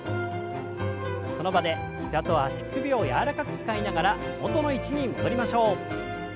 その場で膝と足首を柔らかく使いながら元の位置に戻りましょう。